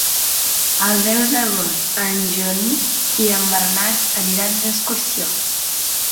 El deu d'agost en Genís i en Bernat aniran d'excursió.